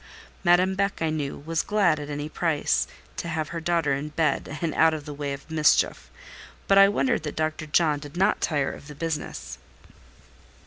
Madame Beck, I knew, was glad, at any price, to have her daughter in bed out of the way of mischief; but I wondered that Dr. John did not tire of the business.